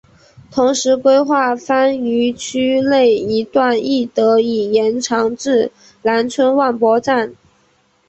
同时规划番禺区内一段亦得以延长至南村万博站。